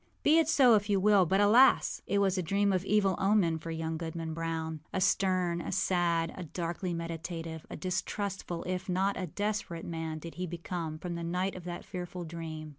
Be it so if you will; but, alas! it was a dream of evil omen for young Goodman Brown. A stern, a sad, a darkly meditative, a distrustful, if not a desperate man did he become from the night of that fearful dream.